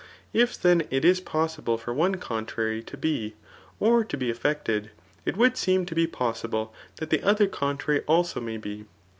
If then it is possible for one contrary to be, or to be effected, it would seem to be possible that the other contrary also may be.